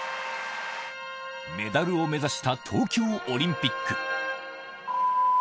メダルを目指した東京オリンピック